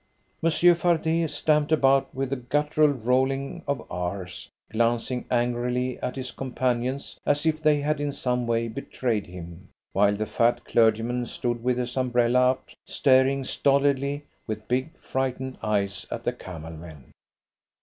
Monsieur Fardet stamped about with a guttural rolling of r's, glancing angrily at his companions as if they had in some way betrayed him; while the fat clergyman stood with his umbrella up, staring stolidly with big, frightened eyes at the camel men.